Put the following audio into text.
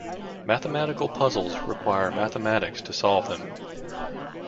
Mathematical puzzles require mathematics to solve them.